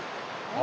あ！